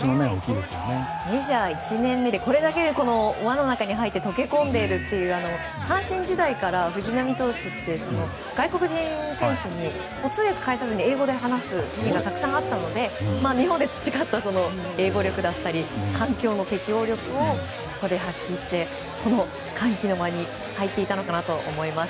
メジャー１年目でこれだけ輪の中に入って溶け込んでいるというのは阪神時代から藤浪投手って外国人選手に通訳介さずに英語で話すシーンがたくさんあったので日本で培った英語力だったり環境の適応力をここで発揮してこの歓喜の輪に入っていたのかなと思います。